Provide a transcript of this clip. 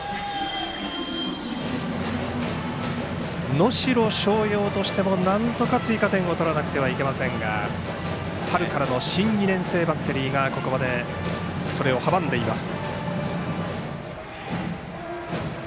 能代松陽としてもなんとか追加点取らなくてはなりませんが石橋の春からの新２年生バッテリーがここまでそれを阻んでいます。